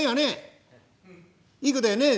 いい子だよねえ？」。